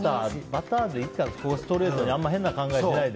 バターでいいかストレートにあんま変な考えしないで。